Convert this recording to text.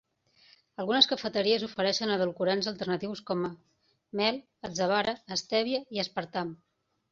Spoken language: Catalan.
Algunes cafeteries ofereixen edulcorants alternatius, com a mel, atzavara, estèvia i aspartam.